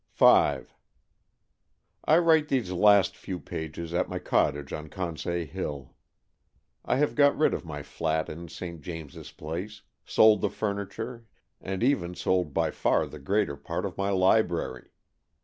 V I write these last few pages at my cottage on Consay Hill. I have got rid of my flat in St. James's Place, sold the furniture and even sold by far the greater part of my library.